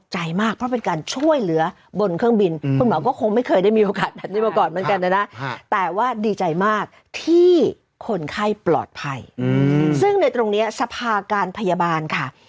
ให้ปลอดภัยอืมซึ่งในตรงเนี้ยสภาการพยาบาลค่ะ